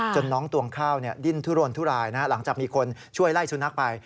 น้องตวงข้าวดิ้นทุรนทุรายหลังจากมีคนช่วยไล่สุนัขไป